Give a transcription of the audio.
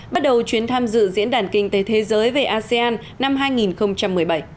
bắt đầu chuyến tham dự diễn đàn kinh tế thế giới về asean năm hai nghìn một mươi bảy